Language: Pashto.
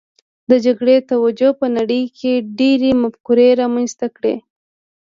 د جګړې توجیې په نړۍ کې ډېرې مفکورې رامنځته کړې